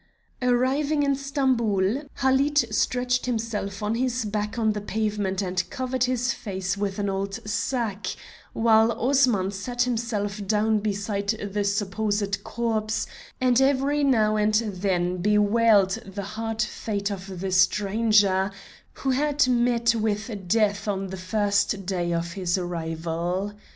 Arriving in Stamboul, Halid stretched himself on his back on the pavement and covered his face with an old sack, while Osman sat himself down beside the supposed corpse, and every now and then bewailed the hard fate of the stranger who had met with death on the first day of his arrival.